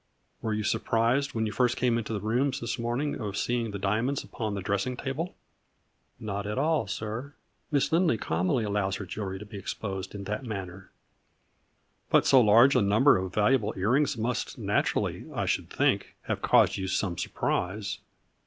" Were you surprised, when you first came into the rooms this morning, at seeing the diamonds upon the dressing table ?" "Not at all, sir; Miss Lindley commonly allows her jewelry to be exposed in that manner." " But so large a number of valuable ear rings must naturally, I should think, have caused you some surprise."